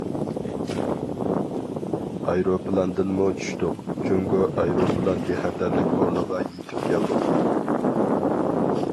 ئايروپىلاندىنمۇ چۈشتۇق، جۇڭگو ئايروپىلان بىخەتەرلىك ئورنىغا يېتىپ كەلدۇق.